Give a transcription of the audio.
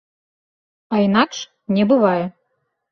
А інакш не бывае.